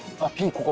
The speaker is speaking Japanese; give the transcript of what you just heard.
ここ！